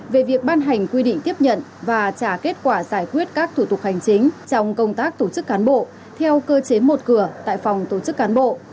về việc ban hành quy định tiếp nhận và trả kết quả giải quyết các thủ tục hành chính trong công tác tổ chức cán bộ theo cơ chế một cửa tại phòng tổ chức cán bộ